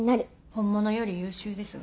本物より優秀ですが。